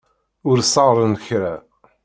Ur ṣerɣen kra.